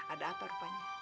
ada apa rupanya